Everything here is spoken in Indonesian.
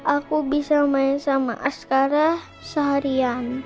aku bisa main sama askara seharian